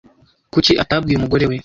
Kuki atabwiye umugore we?